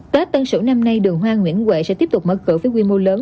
tết tân sửu năm nay đường hoa nguyễn huệ sẽ tiếp tục mở cửa với quy mô lớn